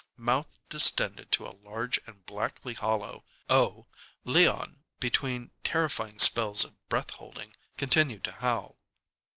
Mouth distended to a large and blackly hollow O, Leon, between terrifying spells of breath holding, continued to howl.